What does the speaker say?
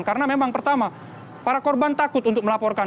karena memang pertama para korban takut untuk melaporkan